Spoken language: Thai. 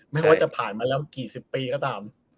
ไม่ว่าจะผ่านมาแล้วกี่สิบปีก็ตาม